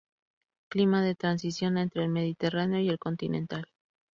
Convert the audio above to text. Clima de transición entre el mediterráneo y el continental.